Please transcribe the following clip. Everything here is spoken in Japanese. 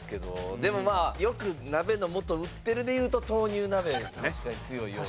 でもまあよく鍋の素売ってるでいうと豆乳鍋確かに強いような。